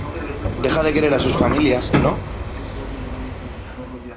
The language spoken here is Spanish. deja de querer a sus familias, ¿ no?